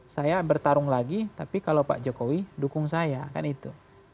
saya bertarung lagi tapi kalau pak jokowi dukung saya kan itu